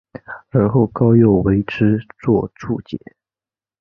而后高诱为之作注解。